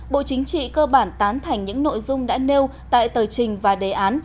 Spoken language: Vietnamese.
bộ chính trị cơ bản tán thành những nội dung đã nêu tại tờ trình và đề án